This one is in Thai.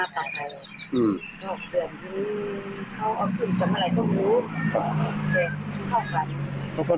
ประมาณ๔๑๕๐กิโลกรัม